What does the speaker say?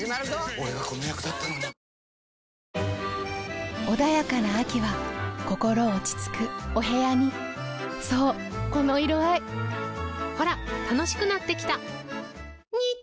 俺がこの役だったのに穏やかな秋は心落ち着くお部屋にそうこの色合いほら楽しくなってきた！